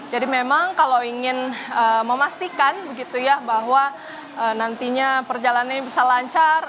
jadi memang kalau ingin memastikan begitu ya bahwa nantinya perjalanan ini bisa lancar